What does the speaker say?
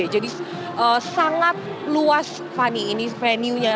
jadi sangat luas fani ini venue nya